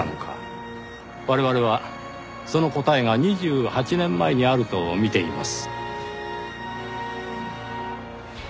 我々はその答えが２８年前にあると見ています。